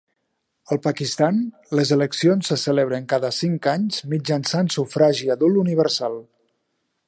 Al Pakistan, les eleccions se celebren cada cinc anys mitjançant sufragi adult universal.